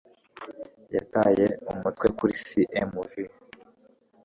yataye umutwe kuri cmv